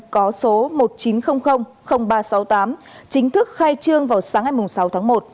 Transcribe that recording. có số một nghìn chín trăm linh ba trăm sáu mươi tám chính thức khai trương vào sáng ngày sáu tháng một